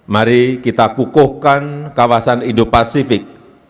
mari kita kukuhkan kawasan indo pasifik